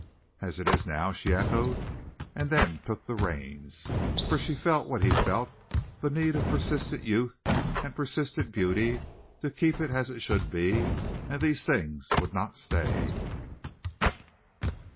"As it is now," she echoed and then took the reins, for she felt what he felt, the need of persistent youth and persistent beauty to keep it as it should be, and these things would not stay.